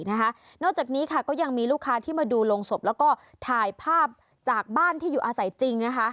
นอกจากนี้ค่ะก็ยังมีลูกค้าที่มาดูโรงศพแล้วก็ถ่ายภาพจากบ้านที่อยู่อาศัยจริงนะคะ